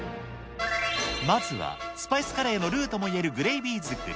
まずは、スパイスカレーのルーともいえるグレイビー作り。